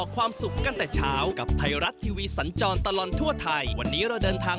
ไปดูกันหน่อยที่จังหวัดลำปาง